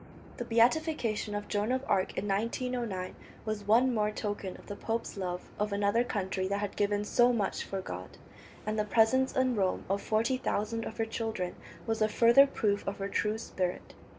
The beatification of Joan of Arc in April 1909 was one more token of the pope's love of another country that had given so much for God, and the presence in Rome of forty thousand of her children was a further proof of her true spirit.